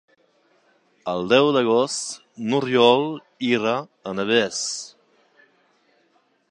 El deu d'agost n'Oriol irà a Navès.